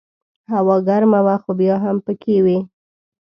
هوا ګرمه وه خو بیا هم پکې وې.